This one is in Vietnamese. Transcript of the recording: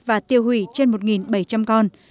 và tiêu hủy trên một bảy trăm linh con